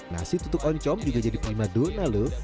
nasi tutup oncong juga jadi klima donal lho